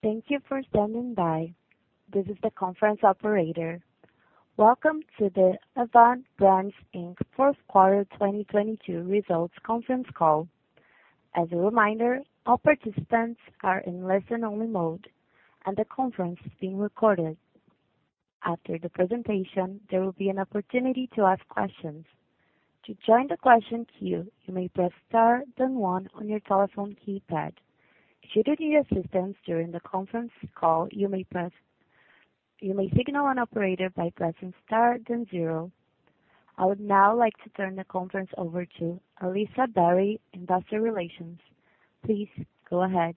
Thank you for standing by. This is the conference operator. Welcome to the Avant Brands Inc. fourth quarter 2022 results conference call. As a reminder, all participants are in listen only mode and the conference is being recorded. After the presentation, there will be an opportunity to ask questions. To join the question queue, you may press star then one on your telephone keypad. Should you need assistance during the conference call, you may signal an operator by pressing star then zero. I would now like to turn the conference over to Alyssa Berry, Investor Relations. Please go ahead.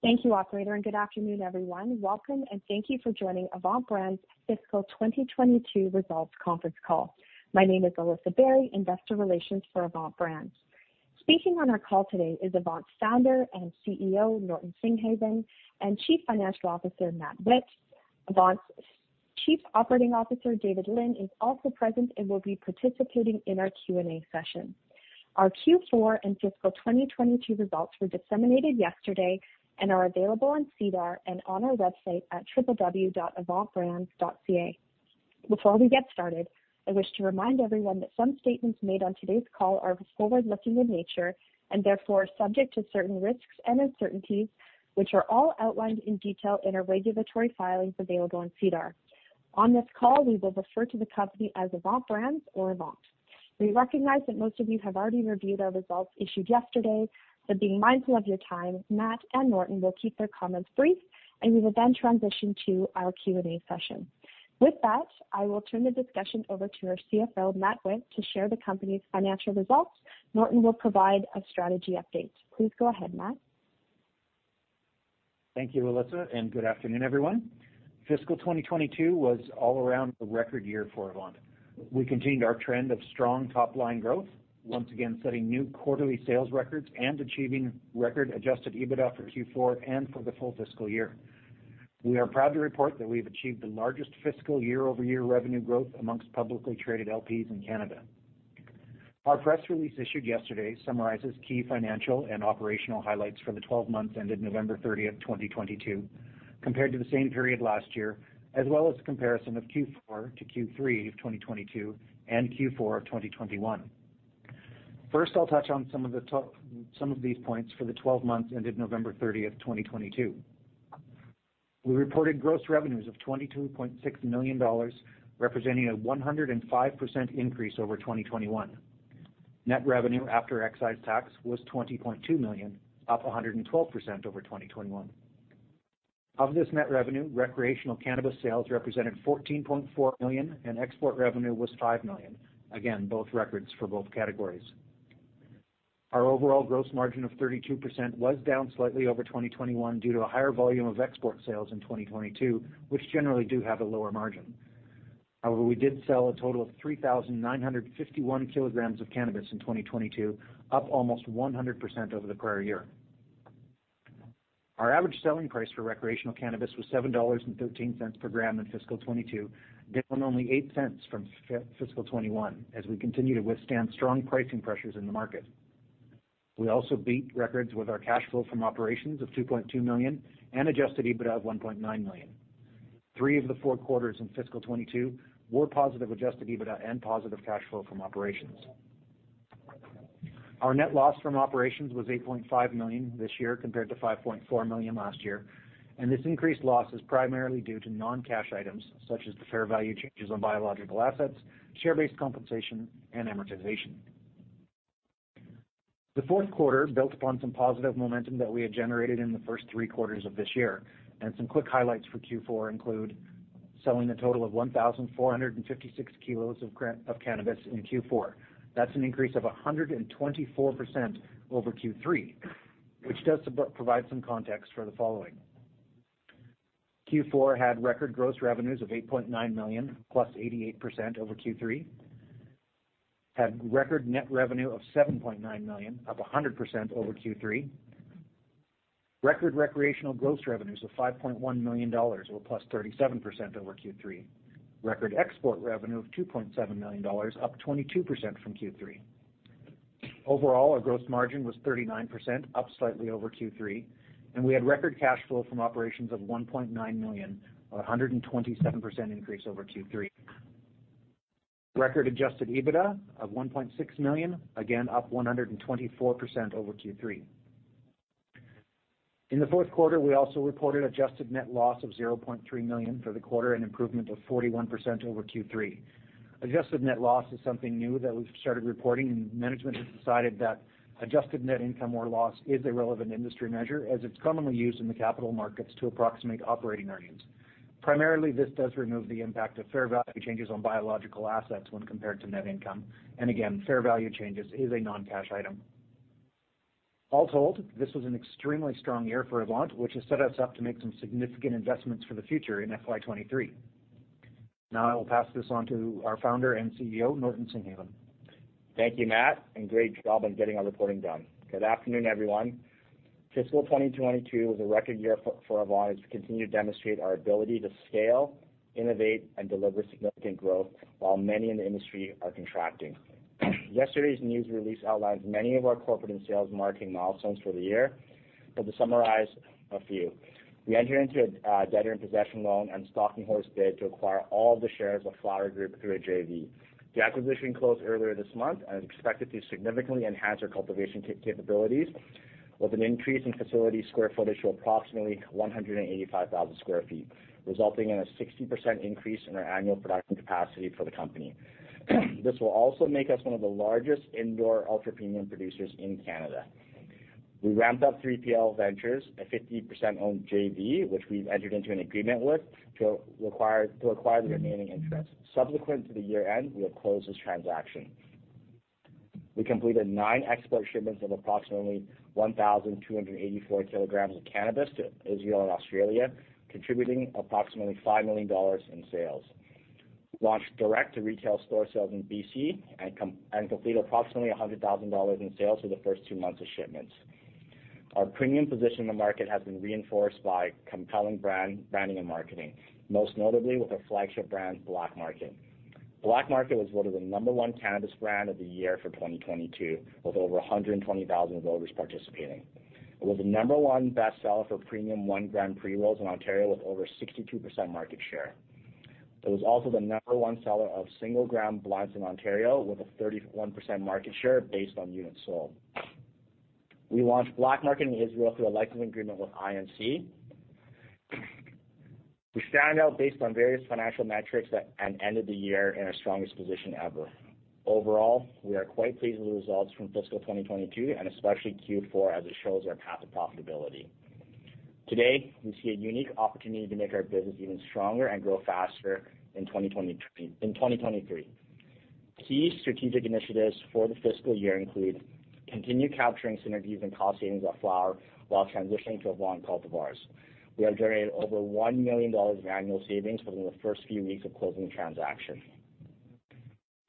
Thank you Operator, good afternoon, everyone. Welcome and thank you for joining Avant Brands fiscal 2022 results conference call. My name is Alyssa Berry, investor relations for Avant Brands. Speaking on our call today is Avant Founder and CEO, Norton Singhavon, and Chief Financial Officer, Matthew Whitt. Avant's Chief Operating Officer, David Lynn, is also present and will be participating in our Q&A session. Our Q4 and fiscal 2022 results were disseminated yesterday and are available on SEDAR and on our website at www.avantbrands.ca. Before we get started, I wish to remind everyone that some statements made on today's call are forward-looking in nature and therefore subject to certain risks and uncertainties, which are all outlined in detail in our regulatory filings available on SEDAR. On this call, we will refer to the company as Avant Brands or Avant. We recognize that most of you have already reviewed our results issued yesterday, but being mindful of your time, Matt and Norton will keep their comments brief, and we will then transition to our Q&A session. With that, I will turn the discussion over to our CFO, Matthew Whitt, to share the company's financial results. Norton will provide a strategy update. Please go ahead, Matt. Thank you, Alyssa, good afternoon, everyone. Fiscal 2022 was all around a record year for Avant. We continued our trend of strong top-line growth, once again setting new quarterly sales records and achieving record adjusted EBITDA for Q4 and for the full fiscal year. We are proud to report that we've achieved the largest fiscal year-over-year revenue growth amongst publicly traded LPs in Canada. Our press release issued yesterday summarizes key financial and operational highlights for the 12 months ended November thirtieth, 2022, compared to the same period last year, as well as a comparison of Q4 to Q3 of 2022 and Q4 of 2021. First, I'll touch on some of these points for the 12 months ended November thirtieth, 2022. We reported gross revenues of 22.6 million dollars, representing a 105% increase over 2021. Net revenue after excise tax was 20.2 million, up 112% over 2021. Of this net revenue, recreational cannabis sales represented 14.4 million and export revenue was 5 million. Again, both records for both categories. Our overall gross margin of 32% was down slightly over 2021 due to a higher volume of export sales in 2022, which generally do have a lower margin. However, we did sell a total of 3,951 kilograms of cannabis in 2022, up almost 100% over the prior year. Our average selling price for recreational cannabis was 7.13 dollars per gram in fiscal 2022, down only 0.08 from fiscal 2021 as we continue to withstand strong pricing pressures in the market. We also beat records with our cash flow from operations of 2.2 million and adjusted EBITDA of 1.9 million. Three of the four quarters in fiscal 2022 were positive adjusted EBITDA and positive cash flow from operations. Our net loss from operations was 8.5 million this year, compared to 5.4 million last year. This increased loss is primarily due to non-cash items such as the fair value changes on biological assets, share-based compensation, and amortization. The fourth quarter built upon some positive momentum that we had generated in the first three quarters of this year. Some quick highlights for Q4 include selling a total of 1,456 kilos of cannabis in Q4. That's an increase of 124% over Q3, which does provide some context for the following. Q4 had record gross revenues of 8.9 million, plus 88% over Q3, had record net revenue of 7.9 million, up 100% over Q3. Record recreational gross revenues of 5.1 million dollars, or plus 37% over Q3. Record export revenue of 2.7 million dollars, up 22% from Q3. Overall, our gross margin was 39%, up slightly over Q3, and we had record cash flow from operations of 1.9 million, or a 127% increase over Q3. Record adjusted EBITDA of 1.6 million, again up 124% over Q3. In the fourth quarter, we also reported adjusted net loss of 0.3 million for the quarter and improvement of 41% over Q3. Adjusted net loss is something new that we've started reporting, and management has decided that adjusted net income or loss is a relevant industry measure as it's commonly used in the capital markets to approximate operating earnings. Primarily, this does remove the impact of fair value changes on biological assets when compared to net income. Again, fair value changes is a non-cash item. All told, this was an extremely strong year for Avant, which has set us up to make some significant investments for the future in FY 23. I will pass this on to our founder and CEO, Norton Singhavon. Thank you, Matt, and great job on getting our reporting done. Good afternoon, everyone. Fiscal 2022 was a record year for Avant as we continue to demonstrate our ability to scale, innovate, and deliver significant growth while many in the industry are contracting. Yesterday's news release outlines many of our corporate and sales marketing milestones for the year. To summarize a few, we entered into a debtor-in-possession loan and Stalking-Horse bid to acquire all the shares of Flowr Group through a JV. The acquisition closed earlier this month and is expected to significantly enhance our cultivation capabilities with an increase in facility square footage to approximately 185,000 sq ft, resulting in a 60% increase in our annual production capacity for the company. This will also make us one of the largest indoor ultra-premium producers in Canada. We ramped up 3PL Ventures, a 50% owned JV, which we've entered into an agreement with to acquire the remaining interest. Subsequent to the year-end, we'll close this transaction. We completed 9 export shipments of approximately 1,284 kilograms of cannabis to Israel and Australia, contributing approximately 5 million dollars in sales. Launched direct-to-retail store sales in BC and complete approximately 100,000 dollars in sales for the first 2 months of shipments. Our premium position in the market has been reinforced by compelling brand, branding and marketing, most notably with our flagship brand, Black Market. Black Market was voted the number 1 cannabis brand of the year for 2022, with over 120,000 voters participating. It was the number 1 best seller for premium 1-gram pre-rolls in Ontario with over 62% market share. It was also the number 1 seller of single-gram blunts in Ontario with a 31% market share based on units sold. We launched BLK MKT in Israel through a licensing agreement with INC. We stand out based on various financial metrics and ended the year in our strongest position ever. Overall, we are quite pleased with the results from fiscal 2022 and especially Q4 as it shows our path to profitability. Today, we see a unique opportunity to make our business even stronger and grow faster in 2023. Key strategic initiatives for the fiscal year include continue capturing synergies and cost savings at Flowr while transitioning to Avant cultivars. We have generated over 1 million dollars of annual savings within the first few weeks of closing the transaction.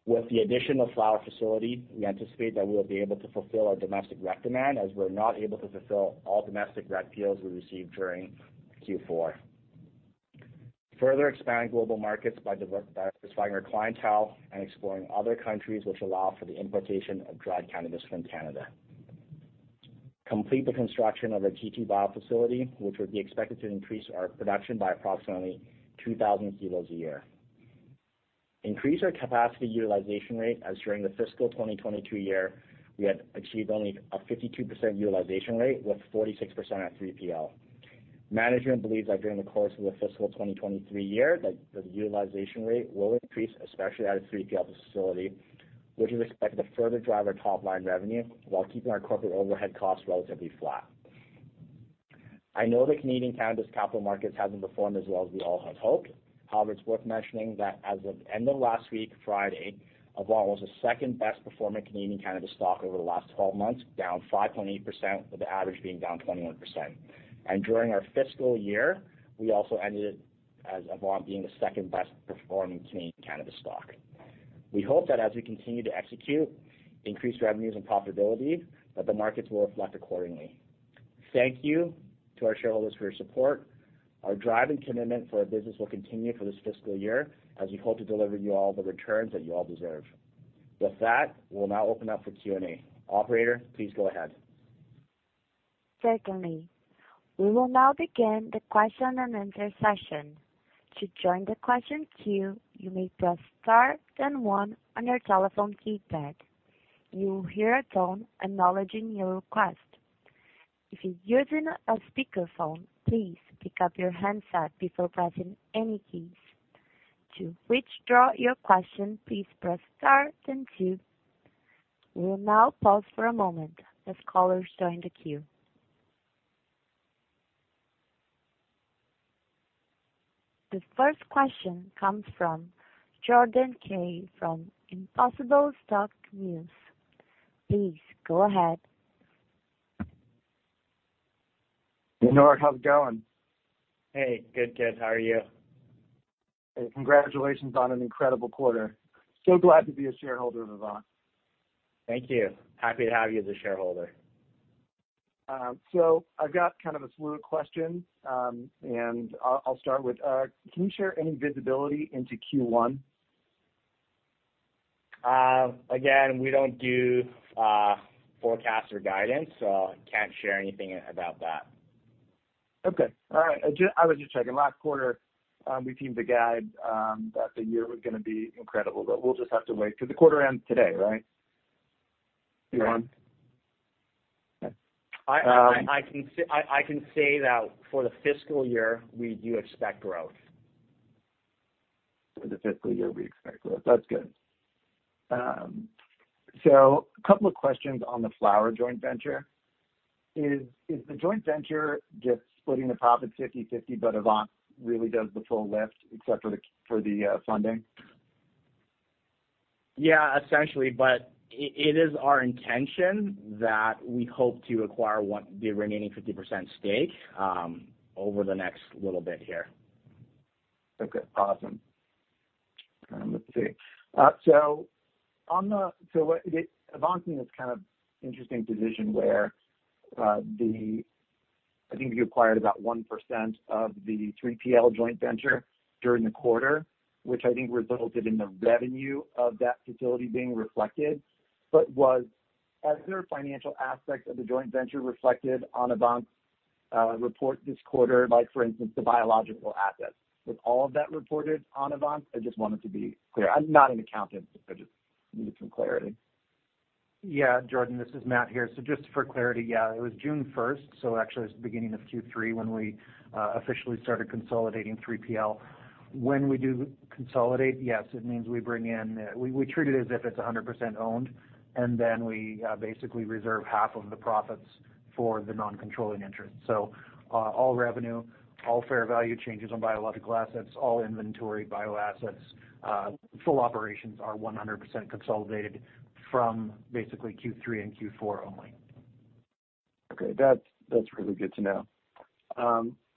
With the addition of Flowr facility, we anticipate that we'll be able to fulfill our domestic rec demand as we're not able to fulfill all domestic rec deals we received during Q4. Further expand global markets by diversifying our clientele and exploring other countries which allow for the importation of dried cannabis from Canada. Complete the construction of our GT-Bio facility, which would be expected to increase our production by approximately 2,000 kilos a year. Increase our capacity utilization rate as during the fiscal 2022 year, we had achieved only a 52% utilization rate, with 46% at 3PL. Management believes that during the course of the fiscal 2023 year, the utilization rate will increase, especially out of 3PL facility, which is expected to further drive our top line revenue while keeping our corporate overhead costs relatively flat. I know the Canadian cannabis capital markets hasn't performed as well as we all had hoped. However, it's worth mentioning that as of end of last week, Friday, Avant was the second-best performing Canadian cannabis stock over the last 12 months, down 5.8%, with the average being down 21%. During our fiscal year, we also ended as Avant being the second-best performing Canadian cannabis stock. We hope that as we continue to execute increased revenues and profitability, that the markets will reflect accordingly. Thank you to our shareholders for your support. Our drive and commitment for our business will continue for this fiscal year as we hope to deliver you all the returns that you all deserve. With that, we'll now open up for Q&A. Operator, please go ahead. Certainly. We will now begin the question and answer session. To join the question queue, you may press star then one on your telephone keypad. You will hear a tone acknowledging your request. If you're using a speakerphone, please pick up your handset before pressing any keys. To withdraw your question, please press star then two. We will now pause for a moment as callers join the queue. The first question comes from Jordan Kaye from Echelon Wealth Partners. Please go ahead. Norton Singhavon, how's it going? Hey, good. Good. How are you? Hey, congratulations on an incredible quarter. Glad to be a shareholder of Avant. Thank you. Happy to have you as a shareholder. I've got kind of a slew of questions, and I'll start with, can you share any visibility into Q1? Again, we don't do forecasts or guidance, so can't share anything about that. Okay. All right. I was just checking. Last quarter, we seemed to guide that the year was gonna be incredible. We'll just have to wait because the quarter ends today, right? Q1. Yeah. Okay. I can say that for the fiscal year, we do expect growth. For the fiscal year, we expect growth. That's good. A couple of questions on the Flowr joint venture. Is the joint venture just splitting the profits 50/50, but Avant really does the full lift except for the funding? Yeah, essentially, but it is our intention that we hope to acquire the remaining 50% stake, over the next little bit here. Okay, awesome. Let's see. Avant is kind of interesting division where, I think you acquired about 1% of the 3PL joint venture during the quarter, which I think resulted in the revenue of that facility being reflected. As there are financial aspects of the joint venture reflected on Avant report this quarter, like for instance, the biological assets, was all of that reported on Avant? I just want it to be clear. I'm not an accountant. I just needed some clarity. Jordan, this is Matt here. Just for clarity, yeah, it was June 1st, so actually it was the beginning of Q3 when we officially started consolidating 3PL. When we do consolidate, yes, it means we bring in. We treat it as if it's 100% owned, and then we basically reserve half of the profits for the non-controlling interest. All revenue, all fair value changes on biological assets, all inventory, bioassets, full operations are 100% consolidated from basically Q3 and Q4 only. Okay. That's, that's really good to know.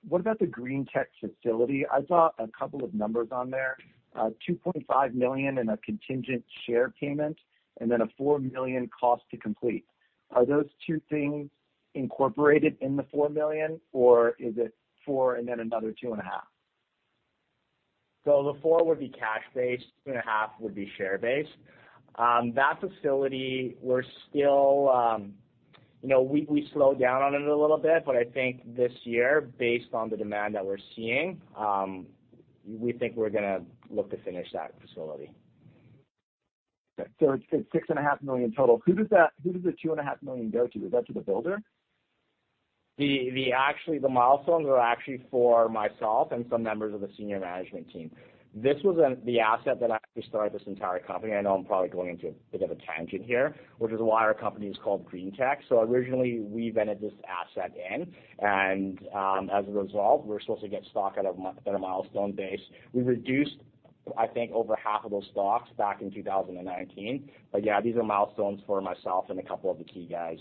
What about the GT-Bio facility? I saw a couple of numbers on there, 2.5 million in a contingent share payment, and then a 4 million cost to complete. Are those two things incorporated in the 4 million, or is it 4 million and then another 2.5 million? The four would be cash based, two and a half would be share based. That facility, we're still. You know, we slowed down on it a little bit, but I think this year, based on the demand that we're seeing, we think we're gonna look to finish that facility. Okay. It's six and a half million total. Who does the two and a half million go to? Is that to the builder? The actually, the milestones are actually for myself and some members of the senior management team. This was the asset that actually started this entire company. I know I'm probably going into a bit of a tangent here, which is why our company is called GTEC. Originally, we rented this asset in, and, as a result, we're supposed to get stock at a milestone base. We reduced, I think, over half of those stocks back in 2019. Yeah, these are milestones for myself and a couple of the key guys.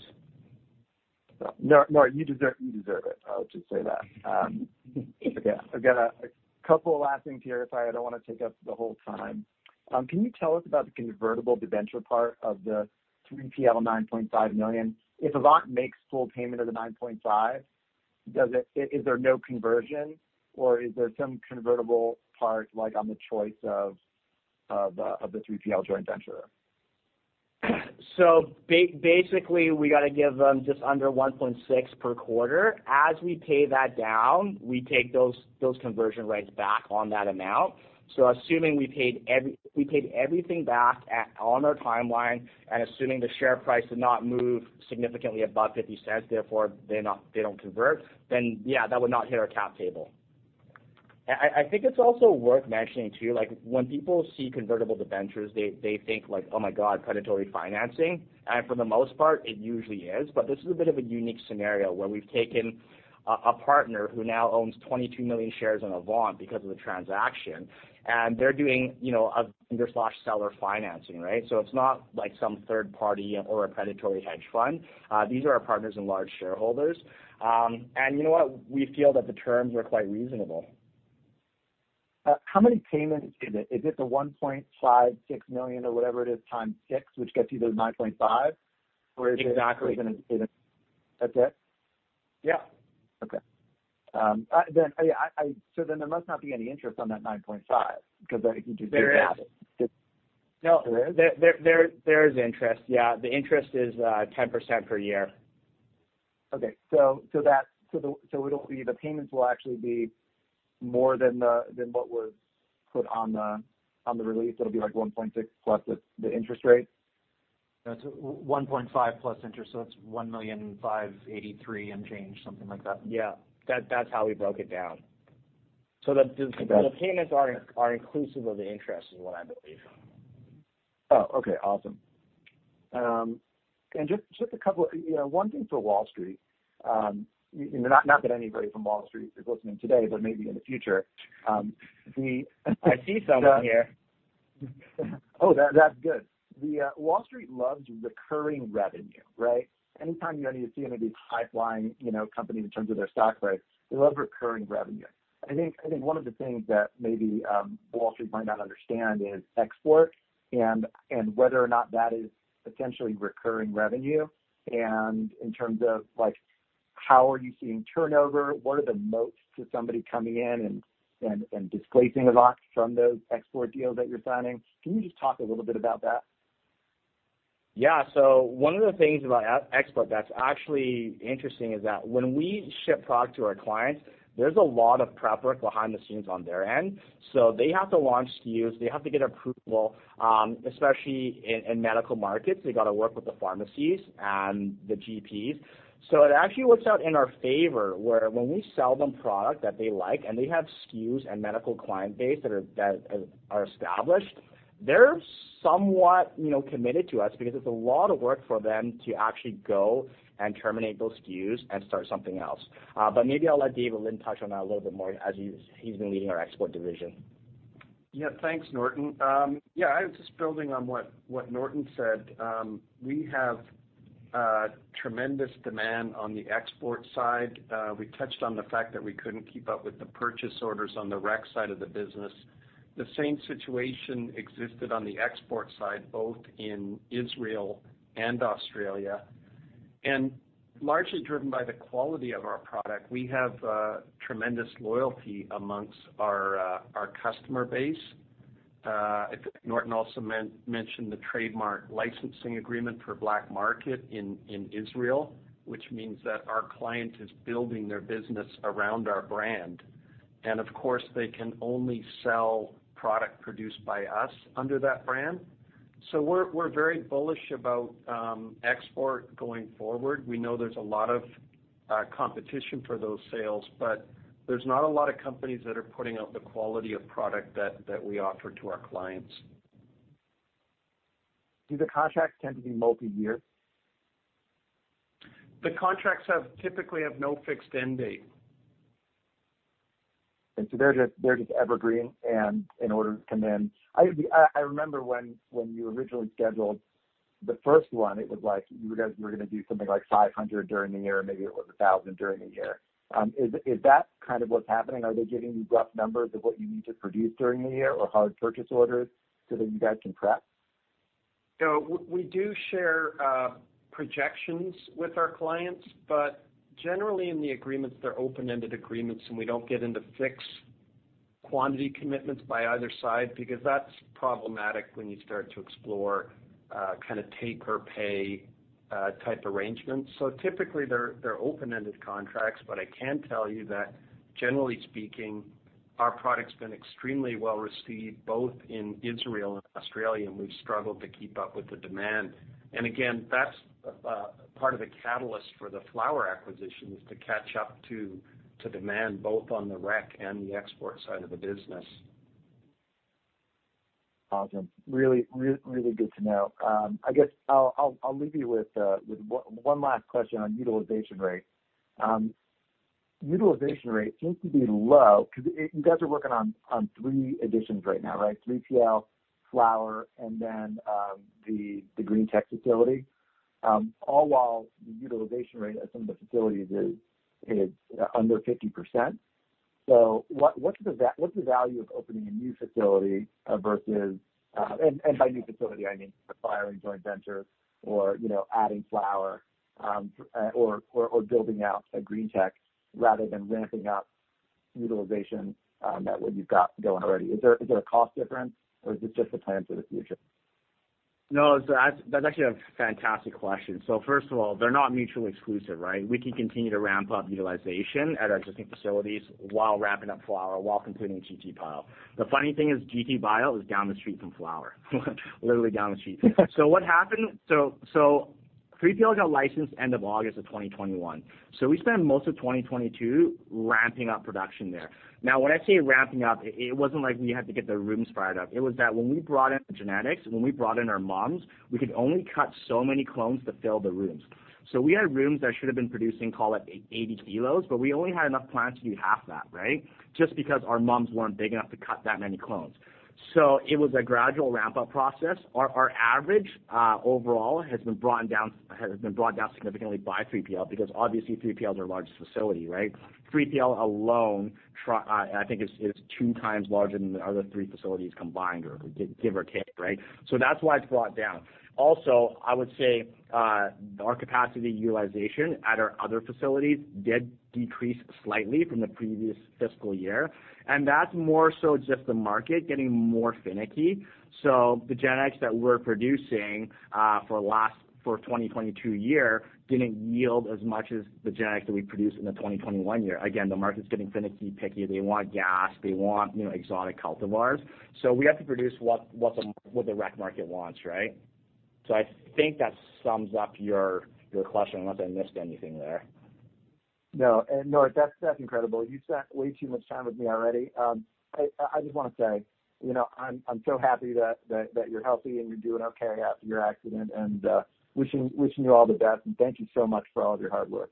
No, Norton, you deserve it. I would just say that. Again, a couple of last things here. Sorry, I don't wanna take up the whole time. Can you tell us about the convertible debenture part of the 3PL 9.5 million? If Avant makes full payment of the 9.5, does it, is there no conversion, or is there some convertible part like on the choice of the 3PL joint venture? Basically, we gotta give them just under 1.6 per quarter. As we pay that down, we take those conversion rates back on that amount. Assuming we paid everything back at, on our timeline and assuming the share price did not move significantly above 0.50, therefore they don't convert, that would not hit our cap table. I think it's also worth mentioning too, like when people see convertible debentures, they think like, "Oh my god, predatory financing." For the most part, it usually is, but this is a bit of a unique scenario where we've taken a partner who now owns 22 million shares in Avant because of the transaction, and they're doing, you know, a vendor/seller financing, right? It's not like some third party or a predatory hedge fund. These are our partners and large shareholders. You know what? We feel that the terms are quite reasonable. How many payments is it? Is it the 1.56 million or whatever it is x 6, which gets you to the 9.5 million? Or is it? Exactly. That's it? Yeah. Okay. I. There must not be any interest on that 9.5 if you just do the math. There is. There is? There is interest, yeah. The interest is 10% per year. Okay. It'll be the payments will actually be more than what was put on the release. It'll be like 1.6 plus the interest rate? That's 1.5 plus interest, so that's 1,583,000 and change, something like that. Yeah. That, that's how we broke it down. the. Okay. The payments are inclusive of the interest is what I believe. Oh, okay. Awesome. Just a couple... You know, one thing for Wall Street, you know, not that anybody from Wall Street is listening today, but maybe in the future. I see someone here. That, that's good. The Wall Street loves recurring revenue, right? Anytime you know, you see any of these pipeline, you know, companies in terms of their stock price, they love recurring revenue. I think one of the things that maybe Wall Street might not understand is export and whether or not that is potentially recurring revenue. In terms of like how are you seeing turnover, what are the moats to somebody coming in and displacing Avant from those export deals that you're signing. Can you just talk a little bit about that? One of the things about export that's actually interesting is that when we ship product to our clients, there's a lot of prep work behind the scenes on their end. They have to launch SKUs. They have to get approval, especially in medical markets. They gotta work with the pharmacies and the GPs. It actually works out in our favor, where when we sell them product that they like and they have SKUs and medical client base that are established, they're somewhat, you know, committed to us because it's a lot of work for them to actually go and terminate those SKUs and start something else. Maybe I'll let David Lynn touch on that a little bit more as he's been leading our export division. Yeah. Thanks, Norton. Yeah, just building on what Norton said. We have Tremendous demand on the export side. We touched on the fact that we couldn't keep up with the purchase orders on the rec side of the business. The same situation existed on the export side, both in Israel and Australia. Largely driven by the quality of our product, we have tremendous loyalty amongst our customer base. Norton also mentioned the trademark licensing agreement for BLK MKT in Israel, which means that our client is building their business around our brand. Of course, they can only sell product produced by us under that brand. We're very bullish about export going forward. We know there's a lot of competition for those sales, but there's not a lot of companies that are putting out the quality of product that we offer to our clients. Do the contracts tend to be multi-year? The contracts typically have no fixed end date. They're just evergreen and in order to come in. I remember when you originally scheduled the first one, it was like you guys were gonna do something like 500 during the year, maybe it was 1,000 during the year. Is that kind of what's happening? Are they giving you rough numbers of what you need to produce during the year or hard purchase orders so that you guys can prep? No. We do share projections with our clients, but generally in the agreements, they're open-ended agreements, and we don't get into fixed quantity commitments by either side because that's problematic when you start to explore kind of take or pay type arrangements. Typically they're open-ended contracts. I can tell you that generally speaking, our product's been extremely well received both in Israel and Australia, and we've struggled to keep up with the demand. Again, that's part of the catalyst for the Flowr acquisition is to catch up to demand both on the rec and the export side of the business. Awesome. Really, really, really good to know. I guess I'll leave you with one last question on utilization rate. Utilization rate seems to be low because you guys are working on three additions right now, right? 3PL, Flowr, and then the GT-Bio facility, all while the utilization rate at some of the facilities is under 50%. What's the value of opening a new facility versus... By new facility, I mean acquiring joint venture or, you know, adding Flowr, or building out a GT-Bio rather than ramping up utilization that what you've got going already. Is there a cost difference or is this just a plan for the future? No. That's actually a fantastic question. First of all, they're not mutually exclusive, right? We can continue to ramp up utilization at our existing facilities while ramping up Flowr, while completing GT-Bio. The funny thing is, GT-Bio is down the street from Flowr, literally down the street. What happened? 3PL got licensed end of August of 2021. We spent most of 2022 ramping up production there. Now when I say ramping up, it wasn't like we had to get the rooms fired up. It was that when we brought in the genetics, when we brought in our moms, we could only cut so many clones to fill the rooms. We had rooms that should have been producing, call it 80 kilos, but we only had enough plants to do half that, right, just because our moms weren't big enough to cut that many clones. It was a gradual ramp-up process. Our average overall has been brought down significantly by 3PL because obviously 3PL is our largest facility, right? 3PL alone I think is two times larger than the other three facilities combined or give or take, right? That's why it's brought down. Also, I would say, our capacity utilization at our other facilities did decrease slightly from the previous fiscal year, and that's more so just the market getting more finicky. The genetics that we're producing, for 2022 year didn't yield as much as the genetics that we produced in the 2021 year. Again, the market's getting finicky, picky. They want gas. They want, you know, exotic cultivars. We have to produce what the rec market wants, right? I think that sums up your question unless I missed anything there. No. Norton, that's incredible. You've spent way too much time with me already. I just wanna say, you know, I'm so happy that you're healthy and you're doing okay after your accident, wishing you all the best. Thank you so much for all of your hard work.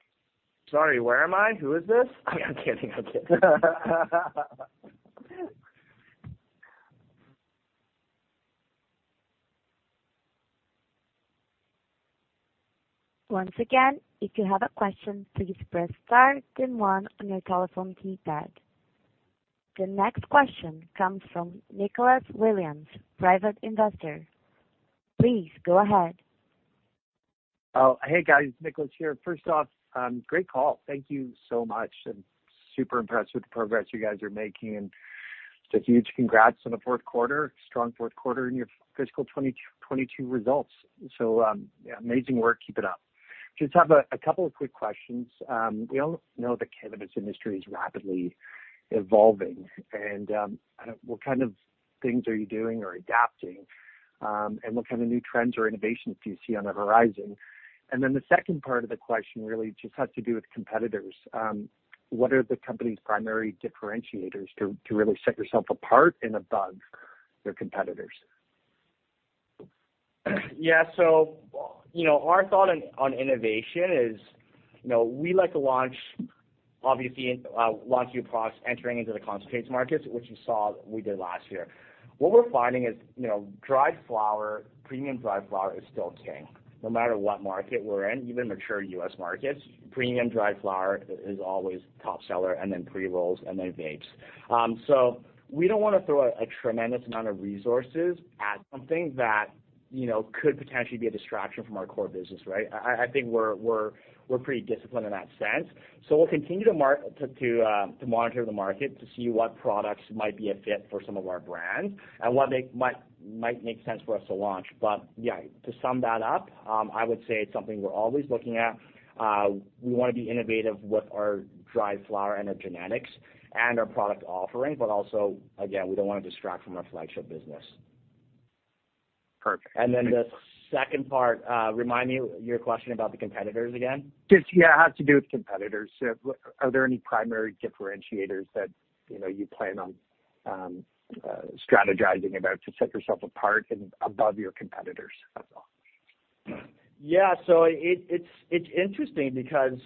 Sorry, where am I? Who is this? I'm kidding. I'm kidding. Once again, if you have a question, please press star then one on your telephone keypad. The next question comes from Nicholas Williams, Private Investor. Please go ahead. Hey, guys. Nicholas here. First off, great call. Thank you so much. I'm super impressed with the progress you guys are making, and just a huge congrats on the fourth quarter. Strong fourth quarter in your fiscal 2022 results. Yeah, amazing work. Keep it up. Just have a couple of quick questions. We all know the cannabis industry is rapidly evolving, what kind of things are you doing or adapting, and what kind of new trends or innovations do you see on the horizon? The second part of the question really just has to do with competitors. What are the company's primary differentiators to really set yourself apart and above your competitors? You know, our thought on innovation is, you know, we like to launch new products entering into the concentrates markets, which you saw we did last year. What we're finding is, you know, dried flower, premium dried flower is still king. No matter what market we're in, even mature U.S. markets, premium dried flower is always top seller and then pre-rolls and then vapes. We don't wanna throw a tremendous amount of resources at something that, you know, could potentially be a distraction from our core business, right? I think we're pretty disciplined in that sense. We'll continue to monitor the market to see what products might be a fit for some of our brands and what might make sense for us to launch. Yeah, to sum that up, I would say it's something we're always looking at. We wanna be innovative with our dried flower and our genetics and our product offering, but also, again, we don't wanna distract from our flagship business. Perfect. The second part, remind me your question about the competitors again. Just, yeah, it has to do with competitors. Are there any primary differentiators that, you know, you plan on strategizing about to set yourself apart and above your competitors? That's all. It's interesting because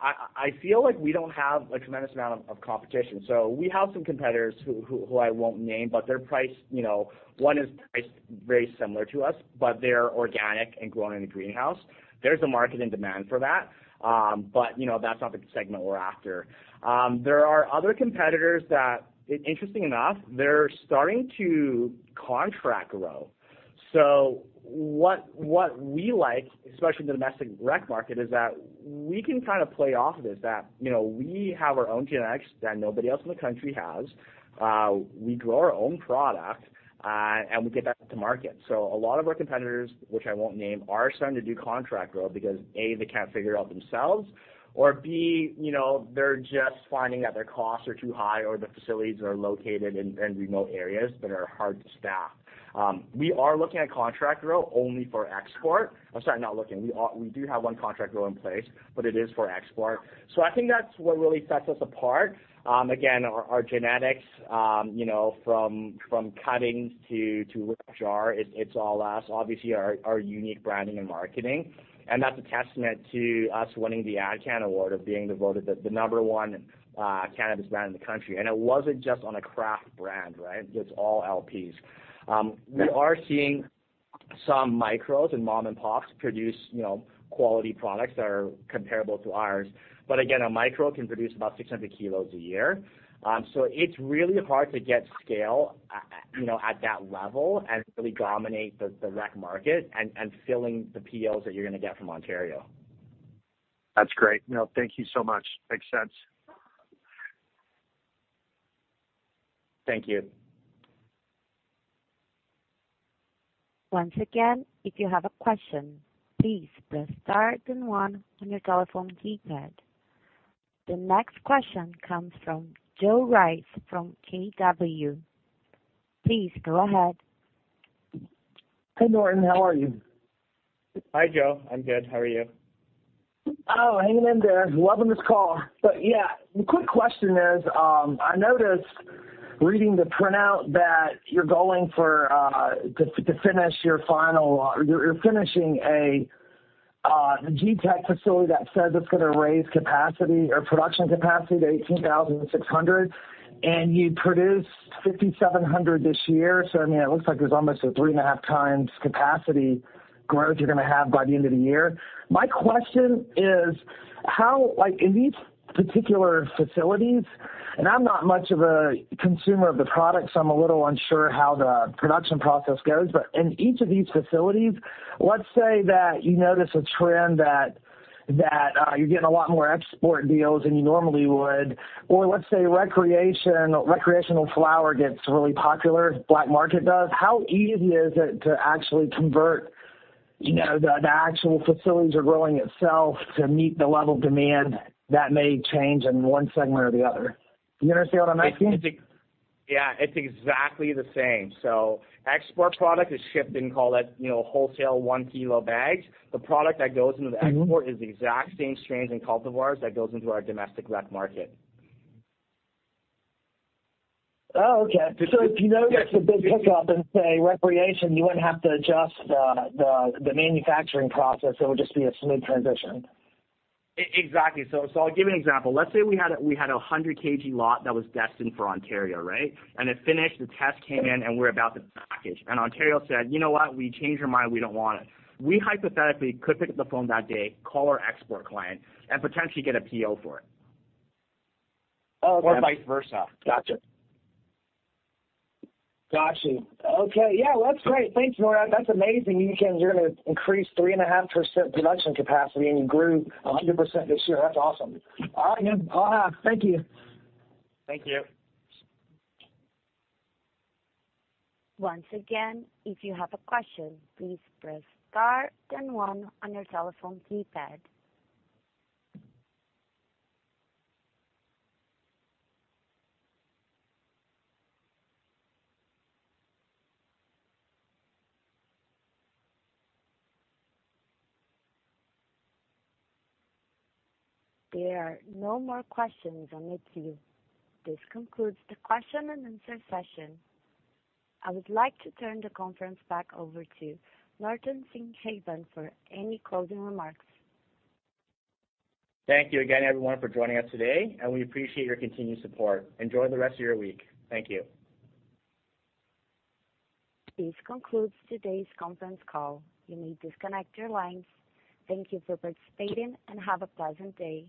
I feel like we don't have a tremendous amount of competition. We have some competitors who I won't name, but their price, you know... One is priced very similar to us, but they're organic and grown in a greenhouse. There's a market and demand for that, but, you know, that's not the segment we're after. There are other competitors that, interesting enough, they're starting to contract grow. What we like, especially in the domestic rec market, is that we can kind of play off this, that, you know, we have our own genetics that nobody else in the country has. We grow our own product, and we get that to market. A lot of our competitors, which I won't name, are starting to do contract grow because, A, they can't figure it out themselves, or, B, you know, they're just finding that their costs are too high or the facilities are located in remote areas that are hard to staff. We are looking at contract grow only for export. I'm sorry, not looking. We do have one contract grow in place, but it is for export. I think that's what really sets us apart. Again, our genetics, you know, from cuttings to jar, it's all us. Obviously, our unique branding and marketing, and that's a testament to us winning the ADCANN award of being devoted the number 1 cannabis brand in the country. It wasn't just on a craft brand, right? It's all LPs. We are seeing some micros and mom and pops produce, you know, quality products that are comparable to ours. Again, a micro can produce about 600 kilos a year. It's really hard to get scale, you know, at that level and really dominate the rec market and filling the POs that you're gonna get from Ontario. That's great. No, thank you so much. Makes sense. Thank you. Once again, if you have a question, please press star then one on your telephone keypad. The next question comes from Joe Rice from KW. Please go ahead. Hey, Norton. How are you? Hi, Joe. I'm good. How are you? Hanging in there. Loving this call. Quick question is, I noticed reading the printout that you're going for, finishing a GTEC facility that says it's gonna raise capacity or production capacity to 18,600, and you produced 5,700 this year. I mean, it looks like there's almost a 3.5x capacity growth you're gonna have by the end of the year. My question is how, in these particular facilities, and I'm not much of a consumer of the product, so I'm a little unsure how the production process goes. In each of these facilities, let's say that you notice a trend that you're getting a lot more export deals than you normally would or let's say recreational flower gets really popular, black market does. How easy is it to actually convert, you know, the actual facilities or growing itself to meet the level of demand that may change in one segment or the other? You understand what I'm asking? It's, yeah, it's exactly the same. Export product is shipped in, call it, you know, wholesale 1-kilo bags. The product that goes into the export- Mm-hmm. is the exact same strains and cultivars that goes into our domestic rec market. Oh, okay. The- If you notice a big pickup in, say, recreation, you wouldn't have to adjust the manufacturing process. It would just be a smooth transition. Exactly. So, I'll give you an example. Let's say we had a 100 kg lot that was destined for Ontario, right? It finished, the test came in, and we're about to package. Ontario said, "You know what? We changed our mind. We don't want it." We hypothetically could pick up the phone that day, call our export client, and potentially get a PO for it. Oh, okay. Vice versa. Gotcha. Gotcha. Okay. Yeah. Well, that's great. Thanks, Norton. That's amazing. You're gonna increase 3.5% production capacity. You grew 100% this year. That's awesome. All right, man. I'll thank you. Thank you. Once again, if you have a question, please press star then one on your telephone keypad. There are no more questions on the queue. This concludes the question and answer session. I would like to turn the conference back over to Norton Singhavon for any closing remarks. Thank you again, everyone, for joining us today, and we appreciate your continued support. Enjoy the rest of your week. Thank you. This concludes today's conference call. You may disconnect your lines. Thank you for participating, and have a pleasant day.